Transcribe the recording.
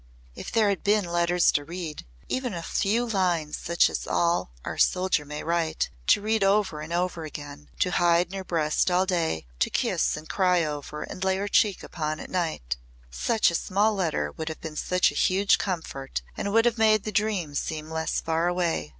If there had been letters to read even a few lines such as are all a soldier may write to read over and over again, to hide in her breast all day, to kiss and cry over and lay her cheek upon at night. Such a small letter would have been such a huge comfort and would have made the dream seem less far away.